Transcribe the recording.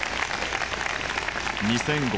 ２００５年６月。